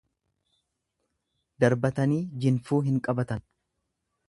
Darbatanii jinfuu hin qabatan.